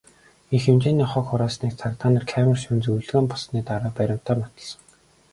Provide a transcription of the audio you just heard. Их хэмжээний хог хураасныг цагдаа нар камер шүүн, зөвлөгөөн болсны дараа баримтаар нотолсон.